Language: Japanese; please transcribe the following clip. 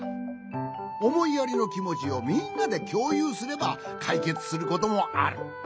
おもいやりのきもちをみんなできょうゆうすればかいけつすることもある。